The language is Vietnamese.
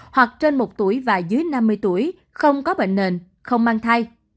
hoặc trên một tuổi và dưới năm mươi tuổi không có bệnh nền không mang thai